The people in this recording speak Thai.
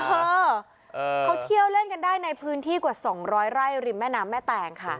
เออเขาเที่ยวเล่นกันได้ในพื้นที่กว่า๒๐๐ไร่ริมแม่น้ำแม่แตงค่ะ